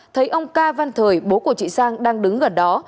thấy ông ca văn thời bố của chị sang đang đứng gần đó